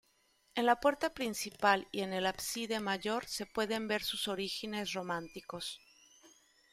En la puerta principal y el ábside mayor se pueden ver sus orígenes románicos.